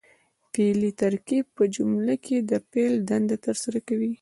فعلي ترکیب په جمله کښي د فعل دنده ترسره کوي.